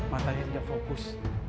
matanya tidak fokus